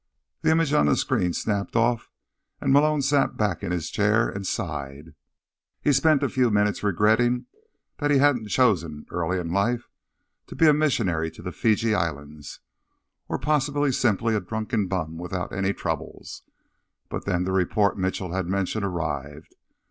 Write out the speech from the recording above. The image on the screen snapped off, and Malone sat back in his chair and sighed. He spent a few minutes regretting that he hadn't chosen, early in life, to be a missionary to the Fiji Islands, or possibly simply a drunken bum without any troubles, but then the report Mitchell had mentioned arrived.